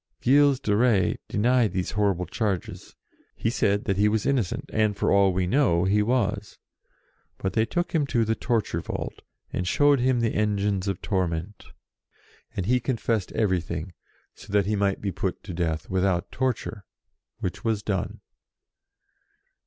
Gilles de Rais denied these horrible charges ; he said he was inno cent, and, for all that we know, he was. But they took him to the torture vault, and showed him the engines of torment, and he confessed everything, so that he might be put to death without torture, which was done.